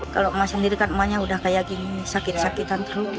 kalau emak sendiri kan emaknya udah kayak gini sakit sakitan terus